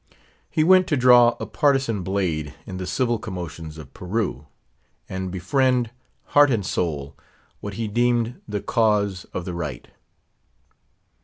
He went to draw a partisan blade in the civil commotions of Peru; and befriend, heart and soul, what he deemed the cause of the Right.